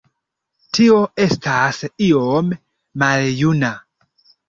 Tio estas iom maljuna.